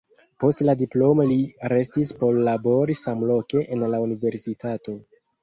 Post la diplomo li restis por labori samloke en la universitato.